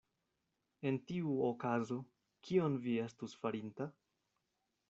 En tiu okazo, kion vi estus farinta?